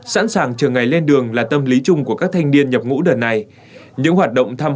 sẵn sàng chờ ngày lên đường là tâm lý chung của các thanh niên nhập ngũ đợt này những hoạt động thăm